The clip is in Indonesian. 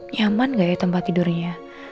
nyaman gak ya tempat tidurnya